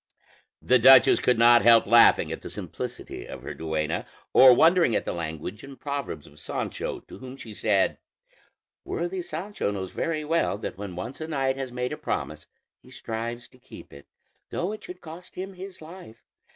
The duchess could not help laughing at the simplicity of her duenna, or wondering at the language and proverbs of Sancho, to whom she said: "Worthy Sancho knows very well that when once a knight has made a promise he strives to keep it, though it should cost him his life.